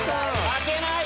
負けない！